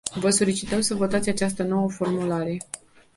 Vă solicităm să votați această nouă formulare.